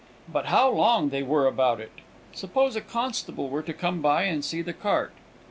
But how long they were about it! Suppose a constable were to come by and see the cart!